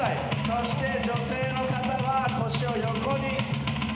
そして女性の方は腰を横に。